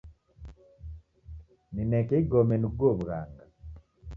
Nineka igome nighuo wughanga